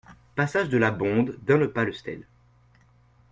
Passage de la Bonde, Dun-le-Palestel